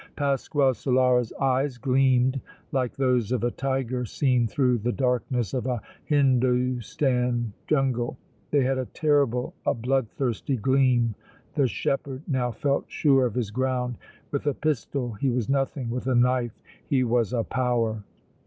Pasquale Solara's eyes gleamed like those of a tiger seen through the darkness of a Hindoostan jungle. They had a terrible, a bloodthirsty gleam. The shepherd now felt sure of his ground. With a pistol he was nothing, with a knife he was a power!